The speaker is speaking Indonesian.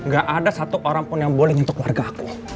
gak ada satu orang pun yang boleh untuk keluarga aku